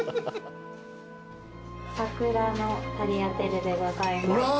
桜のタリアテッレでございます。